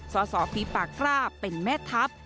สสภิปากราบเป็นแม่ทัพ